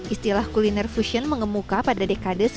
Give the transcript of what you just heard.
istilah kuliner fusion mengemuka pada dekade dua ribu